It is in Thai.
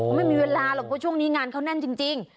ไม่มีเวลาหรอกเพราะช่วงนี้งานเขาแน่นจริง